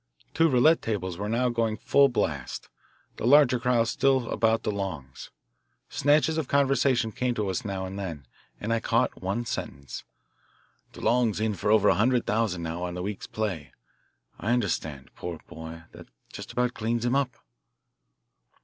Two roulette tables were now going full blast, the larger crowd still about DeLong's. Snatches of conversation came to us now and then, and I caught one sentence, "De Long's in for over a hundred thousand now on the week's play, I understand; poor boy that about cleans him up."